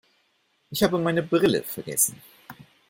Ich habe meine Brille vergessen.